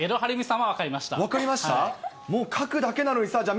もう書くだけなのに、さあ、